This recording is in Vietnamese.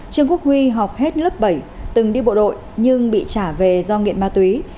trương quốc huy học hết lớp bảy từng đi bộ đội nhưng bị trả về do nghiện ma túy